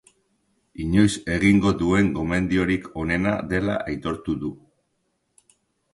Inoiz egingo duen gomendiorik onena dela aitortu du.